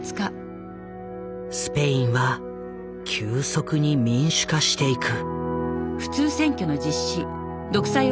スペインは急速に民主化していく。